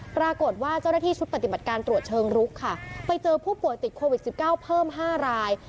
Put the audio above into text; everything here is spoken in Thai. ปรากฏว่าเจ้าหน้าที่ชุดปฏิบัติการตรวจเชิงรุกค่ะไปเจอผู้ป่วยติดโควิด๑๙เพิ่ม๕ราย